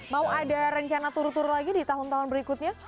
mau ada rencana tur tur lagi di tahun tahun berikutnya